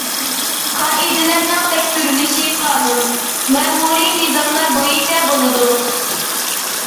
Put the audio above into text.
قائىدىلەرنىڭ تەكشۈرۈلۈشى قانۇن، مەمۇرىي نىزاملار بويىچە بولىدۇ.